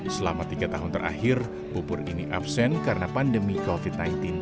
selama tiga tahun terakhir bubur ini absen karena pandemi covid sembilan belas